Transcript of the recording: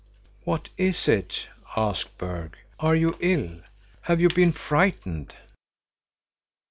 "What is it?" asked Berg. "Are you ill? Have you been frightened?"